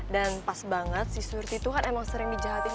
dan pas banget si surti tuh kan emang sering dijahatin juga